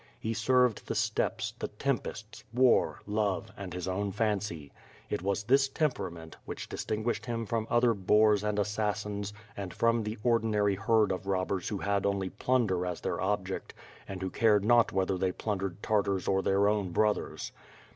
He served the steppes, the tempests, war, love, and his own fancy. It was this temperament, which distinguished him from other boors and assassins and from the ordinary herd of robbers who had only plunder as their object and who cared not whether they plundered Tartars or their owa brothers.